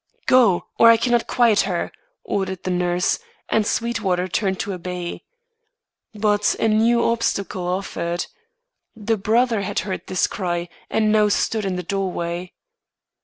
"Go, or I cannot quiet her!" ordered the nurse, and Sweetwater turned to obey. But a new obstacle offered. The brother had heard this cry, and now stood in the doorway.